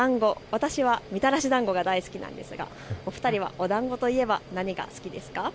私はみたらしだんごが大好きなんですがお二人はおだんごといえば何が好きですか。